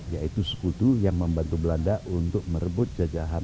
yaitu sekutu yang membantu belanda untuk merebut jajahan